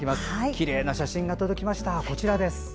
きれいな写真が届きました。